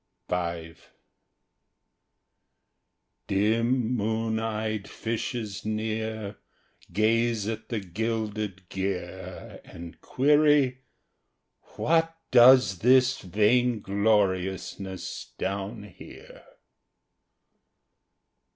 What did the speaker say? V Dim moon eyed fishes near Gaze at the gilded gear And query: "What does this vaingloriousness down here?"